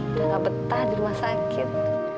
udah gak betah di rumah sakit